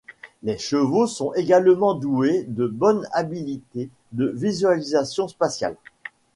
Les chevaux sont également doués de bonnes habilités de visualisation spatiale.